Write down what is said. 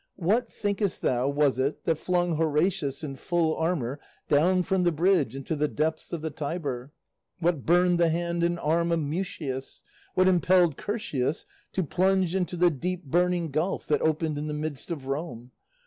What, thinkest thou, was it that flung Horatius in full armour down from the bridge into the depths of the Tiber? What burned the hand and arm of Mutius? What impelled Curtius to plunge into the deep burning gulf that opened in the midst of Rome?